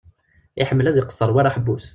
Iḥemmel ad iqesser war aḥebbus.